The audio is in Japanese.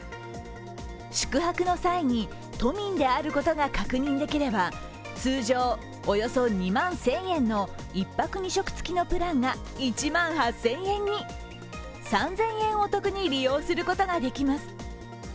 宿泊の際に、都民であることが確認できれば通常およそ２万１０００円の１泊２食つきのプランが１万８０００円に、３０００円お得に利用することができます。